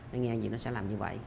nó nghe gì nó sẽ làm như vậy